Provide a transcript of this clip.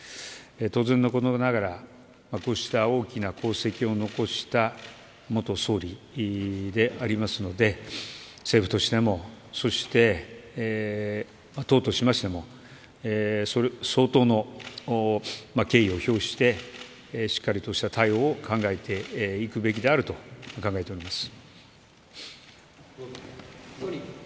当然のことながらこうした大きな功績を残した元総理でありますので政府としても、そして党としましても相当の敬意を表してしっかりとした対応を考えていくべきであると考えております。